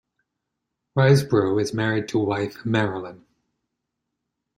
Risebrough is married to wife Marilyn.